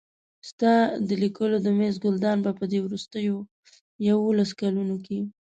ستا د لیکلو د مېز ګلدان به په دې وروستیو یوولسو کلونو کې.